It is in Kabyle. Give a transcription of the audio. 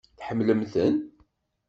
Tḥemmlem-ten?